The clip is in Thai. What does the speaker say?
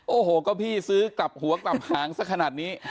โอ้โหก็พี่ซื้อกลับหัวกลับหางสักขนาดนี้